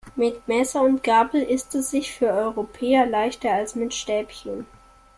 Mit Messer und Gabel isst es sich für Europäer leichter als mit Stäbchen.